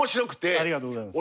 ありがとうございます。